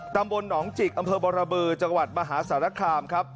ตำบลหนองจิกอำเภอบรบือจังหวัดมหาสารคามครับ